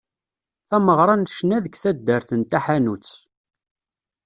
Tameɣra n ccna deg taddart n Taḥanut.